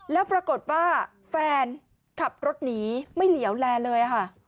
แล้วปรากฏว่าแฟนขับรถหนีไม่เหลียวแลเลยค่ะ